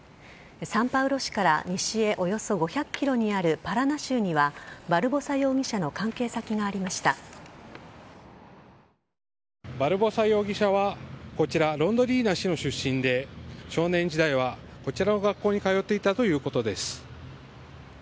サンパウロ市から西へおよそ５００ｋｍにあるパラナ州にはバルボサ容疑者の関係先がバルボサ容疑者はこちらロンドリーナ州出身で少年時代はこちらの学校に通っていたということです。